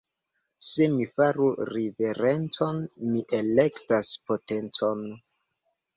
Se mi faru riverencon, mi elektas potencon.